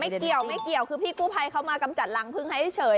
เกี่ยวไม่เกี่ยวคือพี่กู้ภัยเขามากำจัดรังพึ่งให้เฉย